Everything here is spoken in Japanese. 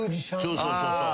そうそうそうそう。